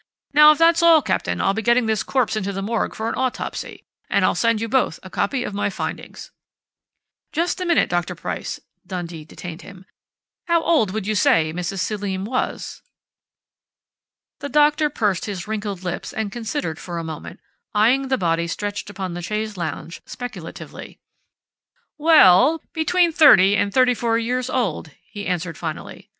Now, if that's all, Captain, I'll be getting this corpse into the morgue for an autopsy. And I'll send you both a copy of my findings." "Just a minute, Dr. Price," Dundee detained him. "How old would you say Mrs. Selim was?" The little doctor pursed his wrinkled lips and considered for a moment, eyeing the body stretched upon the chaise longue speculatively. "We ell, between thirty and thirty four years old," he answered finally.